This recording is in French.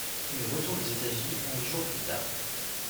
Il retourne aux États-Unis onze jours plus tard.